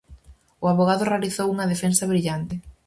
O avogado realizou unha defensa brillante.